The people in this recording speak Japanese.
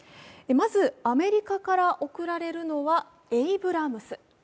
まず、アメリカから送られるのはエイブラムス。